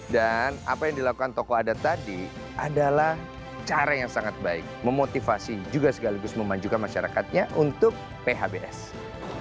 dan apa yang dilakukan tokoh adat tadi adalah cara yang sangat baik memotivasi juga segaligus memanjukan masyarakatnya untuk berkembang